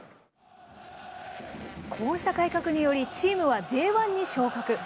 こうした改革により、チームはＪ１に昇格。